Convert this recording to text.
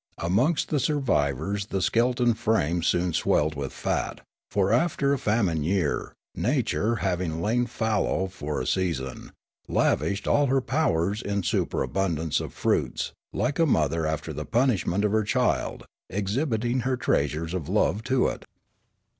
Amongst the sur vivors the skeleton frames soon swelled with fat ; for after a famine year, nature, having lain fallow for a season, lavished all her powers in superabundance of fruits, like a mother after the punishment of her child, exhibiting her treasures of love to it.